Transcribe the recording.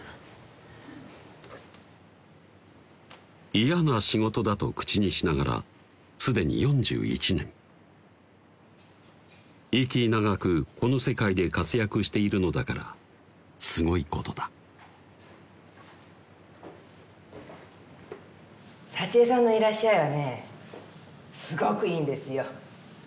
イヤな仕事だと口にしながら既に４１年息長くこの世界で活躍しているのだからすごいことだ「サチエさんのいらっしゃいはねすごくいいんですよ」